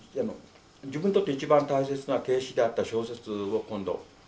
自分にとって一番大切な形式であった小説を今度。